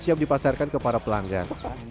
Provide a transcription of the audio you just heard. dan dipasarkan kepada pelanggan